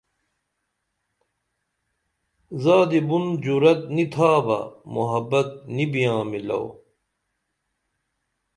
زادی بُن جرات نی تھا بہ محبت نی بیاں مِلو